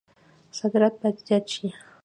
صادرات باید زیات شي